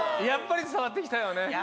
やっぱり伝わってきたよね。